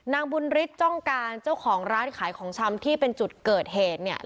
นางบุญฤทธิ์จ้องการเจ้าของร้านขายของชำที่เป็นจุดเกิดเหตุเนี่ย